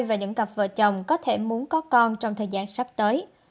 và vợ chồng có thể muốn có con trong thời gian sắp tới